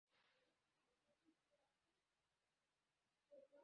চলো তো রসিকদা, আমার বাইরের ঘরটাতে বসে তামাক নিয়ে পড়া যাক।